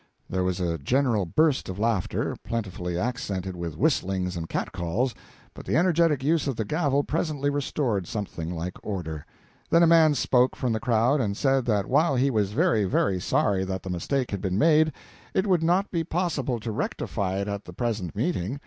There was a general burst of laughter, plentifully accented with whistlings and cat calls, but the energetic use of the gavel presently restored something like order. Then a man spoke from the crowd, and said that while he was very sorry that the mistake had been made, it would not be possible to rectify it at the present meeting.